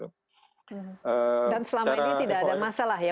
dan selama ini tidak ada masalah ya